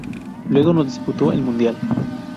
Luego no disputó el mundial.